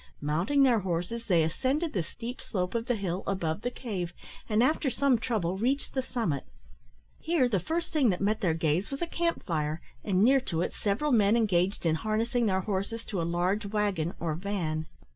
Mounting their horses, they ascended the steep slope of the hill above the cave, and, after some trouble, reached the summit. Here the first thing that met their gaze was a camp fire, and near to it several men engaged in harnessing their horses to a large waggon or van.